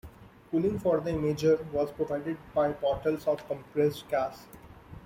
Cooling for the imager was provided by bottles of compressed gas.